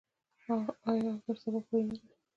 آیا او تر سبا پورې نه دی؟